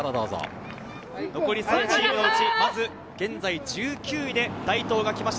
残り３チームのうち、まず現在１９位で、大東が来ました。